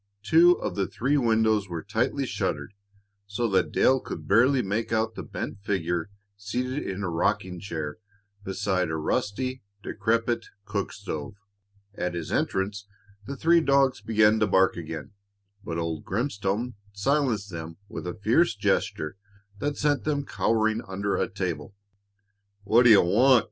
Two of the three windows were tightly shuttered, so that Dale could barely make out the bent figure seated in a rocking chair beside a rusty, decrepit cook stove. At his entrance the three dogs began to bark again, but old Grimstone silenced them with a fierce gesture that sent them cowering under a table. "What d' you want?"